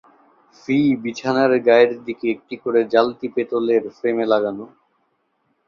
ফি-বিছানার গায়ের দিকে একটি করে জালতি পেতলের ফ্রেমে লাগানো।